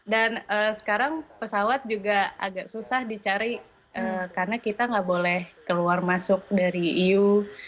dan sekarang pesawat juga agak susah dicari karena kita nggak boleh keluar masuk dari eu